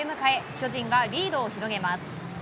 巨人がリードを広げます。